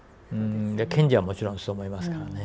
検事はもちろんそう思いますからね。